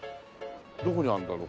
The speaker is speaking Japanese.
どこにあるんだろう？